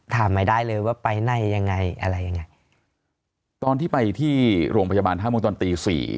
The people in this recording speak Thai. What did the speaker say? ถามไม่ได้เลยว่าไปไหนยังไงอะไรยังไงตอนที่ไปที่โรงพยาบาลท่ามุตอนตีสี่